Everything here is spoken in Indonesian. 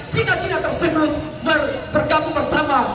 cina cina tersebut bergabung bersama